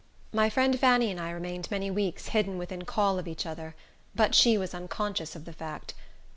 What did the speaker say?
My friend Fanny and I remained many weeks hidden within call of each other; but she was unconscious of the fact.